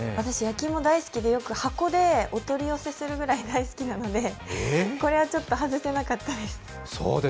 焼き芋大好きで、よく箱でお取り寄せするぐらい大好きなので、これはちょっと外せなかったです。